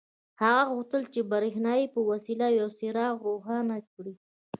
هغه غوښتل چې د برېښنا په وسیله یو څراغ روښانه کړي